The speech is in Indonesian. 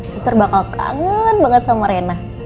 suster bakal kangen banget sama rena